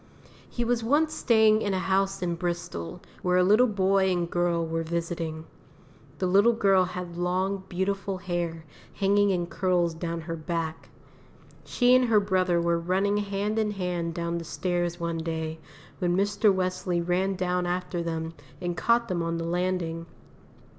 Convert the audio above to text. He was once staying in a house in Bristol where a little boy and girl were visiting. The little girl had long, beautiful hair hanging in curls down her back. She and her brother were running hand in hand down the stairs one day, when Mr. Wesley ran down after them and caught them on the landing.